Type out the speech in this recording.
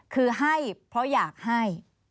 คือให้เพราะอยากให้